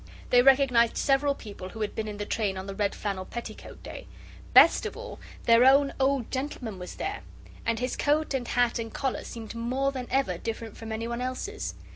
They recognized several people who had been in the train on the red flannel petticoat day. Best of all their own old gentleman was there, and his coat and hat and collar seemed more than ever different from anyone else's.